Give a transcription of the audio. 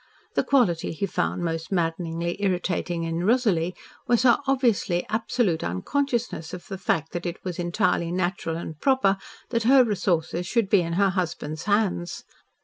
The quality he found most maddeningly irritating in Rosalie was her obviously absolute unconsciousness of the fact that it was entirely natural and proper that her resources should be in her husband's hands.